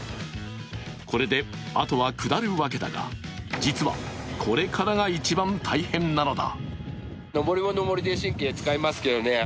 これであとは下るわけだが実は、これからが一番大変なのだ。